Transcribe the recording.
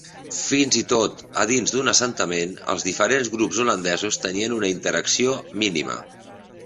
Fins i tot a dins d'un assentament, els diferents grups holandesos tenien una interacció mínima.